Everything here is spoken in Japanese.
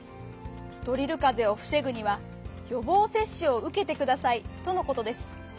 ドリルかぜをふせぐにはよぼうせっしゅをうけてくださいとのことです。